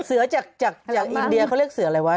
เสือจากอินเดียเขาเรียกเสืออะไรวะ